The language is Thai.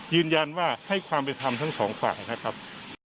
ยืนยันว่าให้ความเป็นธรรมทั้งสองฝ่ายนะครับ